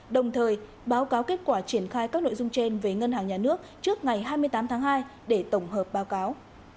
đồng thời báo cáo kết quả triển khai các nội dung trên về ngân hàng nhà nước trước ngày hai mươi tám tháng hai để tổng hợp báo cáo